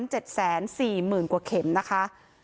กว่า๑๔๐๐๐๐๐กว่าเข็มนะคะ